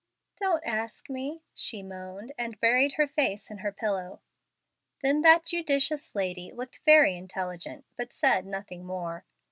"Don't ask me," she moaned, and buried her face in her pillow. Then that judicious lady looked very intelligent, but said nothing more.